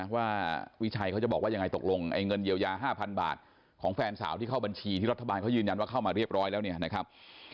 ว่าวิชัยเขาจะบอกว่ายังไงตกลงไอ้เงินเยียวยา๕๐๐บาทของแฟนสาวที่เข้าบัญชีที่รัฐบาลเขายืนยันว่าเข้ามาเรียบร้อยแล้วเนี่ยนะครับ